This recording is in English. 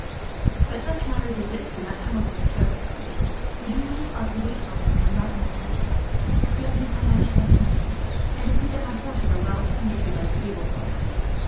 "But such matters as this do not come within your service, Pierre. Your duties are to wait on me when not in the field, to stand behind my chair at meals, and to see that my horses are well attended to by the stable varlets.